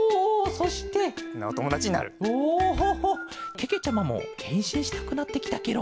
けけちゃまもへんしんしたくなってきたケロ。